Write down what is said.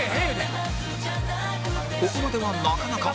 ここまではなかなか